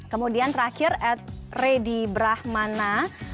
kemudian terakhir at ready brahmana